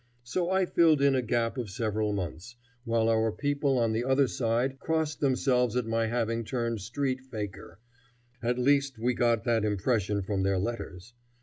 So I filled in a gap of several months, while our people on the other side crossed themselves at my having turned street fakir. At least we got that impression from their letters.